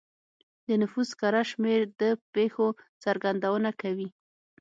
د نفوس کره شمېر د پېښو څرګندونه کوي.